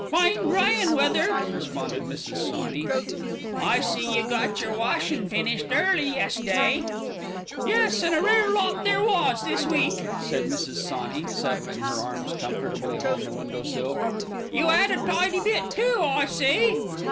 "Fine dryin' weather," responded Mrs. Sawney. "I see you got your washin' finished early yes'day." "Yes, an' a rare lot there was this week," said Mrs. Sawney, settling her arms comfortably upon the window sill. "You 'ad a tidy bit, too, I see."